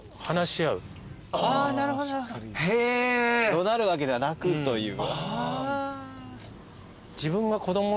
怒鳴るわけではなくという。